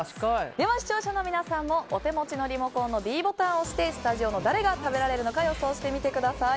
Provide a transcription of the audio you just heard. では視聴者の皆さんもお手持ちのリモコンのｄボタンを押してスタジオの誰が食べられるのか予想してみてください。